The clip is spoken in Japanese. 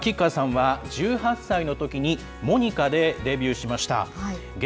さあ、吉川さんは１８歳のときにモニカでデビューしました。